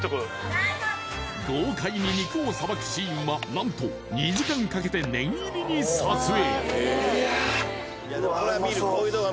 豪快に肉をさばくシーンは何と２時間かけて念入りに撮影わあうま